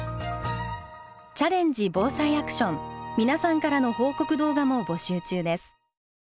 チャレンジ防災アクション皆さんからの報告動画も募集中です。